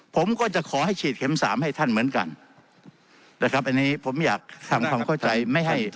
ผมก็จะขอให้ฉีดเข็มสามให้ท่านเหมือนกันนะครับอันนี้ผมอยากทำความเข้าใจไม่ให้